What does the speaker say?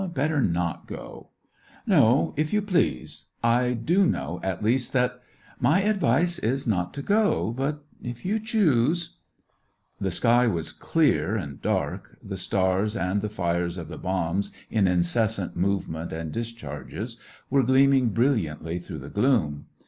•Better not go." " No, if you please ; I do know, at least, that ..."*' My advice is, not to go ; but if you choose ..." The sky was clear and dark ; the stars, and the fires of the bombs in incessant movement and dis charges, were gleaming brilliantly through the gloom.